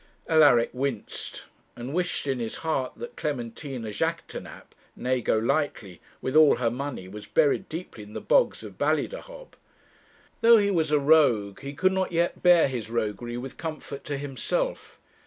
Alaric winced, and wished in his heart that Clementina Jaquêtanàpe, née Golightly, with all her money, was buried deep in the bogs of Ballydehob. Though he was a rogue, he could not yet bear his roguery with comfort to himself.